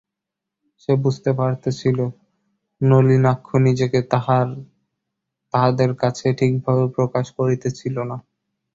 সে বুঝিতে পারিতেছিল, নলিনাক্ষ নিজেকে তাহাদের কাছে ঠিকভাবে প্রকাশ করিতেছিল না।